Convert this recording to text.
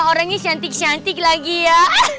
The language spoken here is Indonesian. orangnya cantik cantik lagi ya